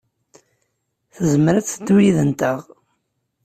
Tezmer ad teddu yid-nteɣ.